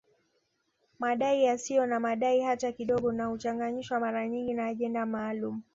Madai yasiyo na madai hata kidogo na huchanganyishwa mara nyingi na ajenda maalum